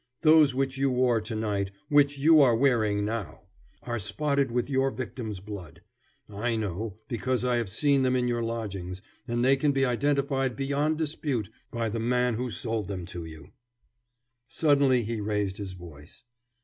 Those which you wore to night, which you are wearing now, are spotted with your victim's blood. I know, because I have seen them in your lodgings, and they can be identified beyond dispute by the man who sold them to you." Suddenly he raised his voice.